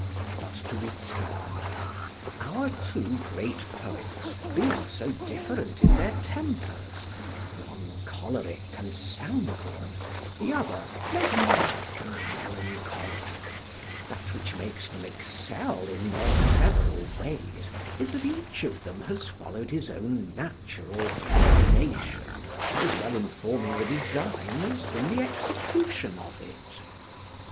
But to return: our two great poets, being so different in their tempers, one choleric and sanguine, the other phlegmatic and melancholic; that which makes them excel in their several ways is that each of them has follow'd his own natural inclination, as well in forming the design as in the execution of it.